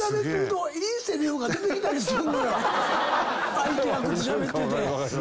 相手役としゃべってて。